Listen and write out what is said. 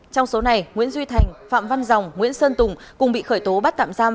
trong số này nguyễn duy thành phạm văn rồng nguyễn sơn tùng cùng bị khởi tố bắt tạm giam